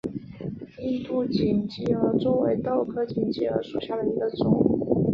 印度锦鸡儿为豆科锦鸡儿属下的一个种。